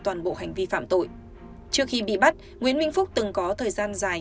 toàn bộ hành vi phạm tội trước khi bị bắt nguyễn minh phúc từng có thời gian dài